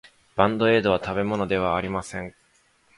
バンドエードは食べ物ではありません。